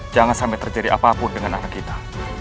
jangan sampai terjadi apapun dengan anak kita